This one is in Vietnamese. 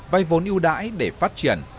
vây vốn yêu đãi để phát triển